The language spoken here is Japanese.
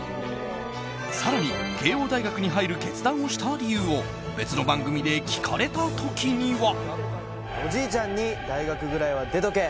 更に、慶應大学に入る決断をした理由を別の番組で聞かれた時には。